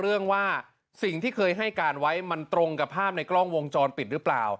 เรื่องว่าสิ่งที่เคยให้การไว้มันตรงกับภาพในกล้องวงจรปิดหรือเปล่า